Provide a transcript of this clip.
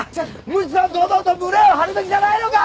むしろ堂々と胸を張るべきじゃないのか！？